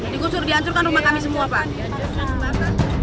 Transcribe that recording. digusur dihancurkan rumah kami semua pak